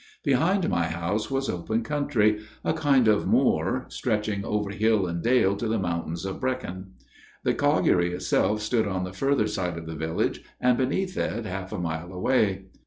Behind my house was open country a kind of moor stretch ing over hill and dale to the mountains of Brecon. The colliery itself stood on the further side of the village and beneath it, half a mile away.